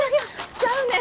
ちゃうねん。